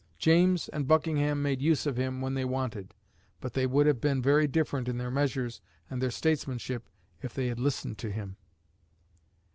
James and Buckingham made use of him when they wanted. But they would have been very different in their measures and their statesmanship if they had listened to him.